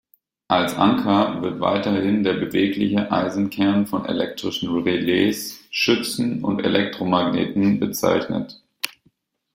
Als Anker wird weiterhin der bewegliche Eisenkern von elektrischen Relais, Schützen und Elektromagneten bezeichnet.